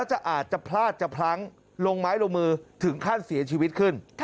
อาจจะพลาดจะพลั้งลงไม้ลงมือถึงขั้นเสียชีวิตขึ้น